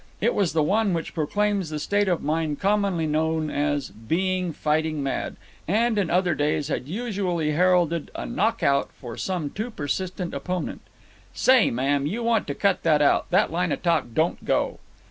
It was the one which proclaims the state of mind commonly known as "being fighting mad," and in other days had usually heralded a knock out for some too persistent opponent. "Say, ma'am, you want to cut that out. That line of talk don't go."